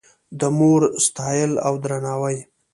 د مور ستایل او درناوی